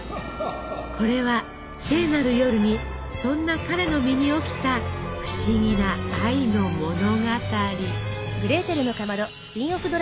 これは聖なる夜にそんな彼の身に起きた不思議な愛の物語。